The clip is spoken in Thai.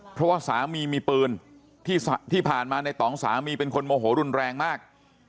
เพราะว่าสามีมีปืนที่ผ่านมาในต่องสามีเป็นคนโมโหรุนแรงมาก